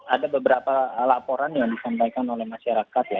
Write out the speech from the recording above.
ada beberapa laporan yang disampaikan oleh masyarakat ya